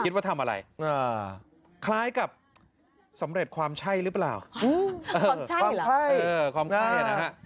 คิดว่าทำอะไรอ่าคล้ายกับสำเร็จความใช่หรือเปล่าอืมความใช่หรอความค่ายเออความค่ายอ่ะนะฮะ